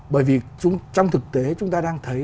bởi vì trong thực tế chúng ta đang thấy